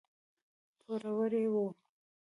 پوروړي وو.